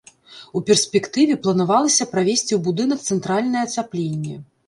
У перспектыве планавалася правесці ў будынак цэнтральнае ацяпленне.